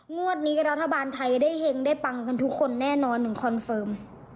งวดนี้รัฐบาลไทยได้เฮงได้ปังกันทุกคนแน่นอนถึงคอนเฟิร์ม